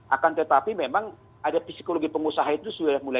akan tetapi memang ada psikologi pengusaha itu sudah mulai